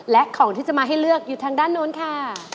และของที่จะมาให้เลือกอยู่ทางด้านโน้นค่ะ